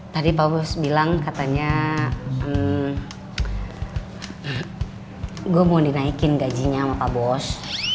tadi pak bus bilang katanya gue mau dinaikin gajinya sama pak bos